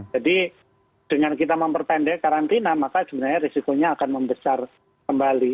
jadi dengan kita memperpendek karantina maka sebenarnya risikonya akan membesar kembali